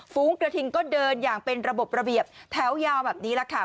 ฝูงกระทิงก็เดินอย่างเป็นระบบระเบียบแถวยาวแบบนี้แหละค่ะ